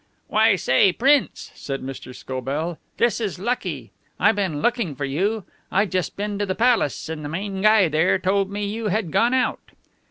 "Why, say, Prince," said Mr. Scobell, "this is lucky. I been looking for you. I just been to the Palace, and the main guy there told me you had gone out."